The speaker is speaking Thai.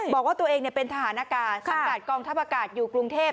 บอกว่าตัวเองเป็นทหารอากาศสังกัดกองทัพอากาศอยู่กรุงเทพ